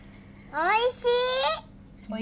おいしい。